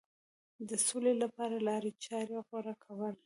د سولې لپاره لارې چارې غوره کول.